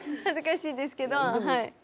恥ずかしいですけどはい。